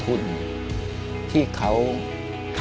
หนูอยากให้พ่อกับแม่หายเหนื่อยครับ